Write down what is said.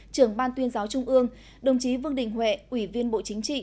trưởng ban tuyên giáo trung ương đồng chí vương đình huệ ủy viên bộ chính trị